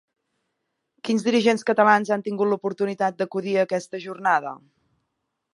Quins dirigents catalans han tingut l'oportunitat d'acudir a aquesta jornada?